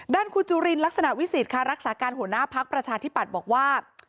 คุณจุลินลักษณะวิสิตค่ะรักษาการหัวหน้าพักประชาธิปัตย์บอกว่า